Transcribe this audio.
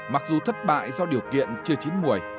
mặc dù thất bại do điều kiện chưa chín mùi